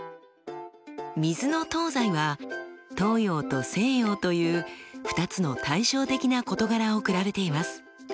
「水の東西」は東洋と西洋という２つの対照的な事柄を比べています。